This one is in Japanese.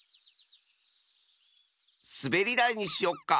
すべりだいにしよっか。